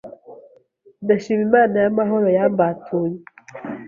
Ndashima Imana y’amahoro yambatuye